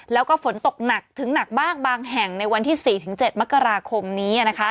แล้วก็ฝนตกหนักถึงหนักบ้างบางแห่งในวันที่๔๗มกราคมนี้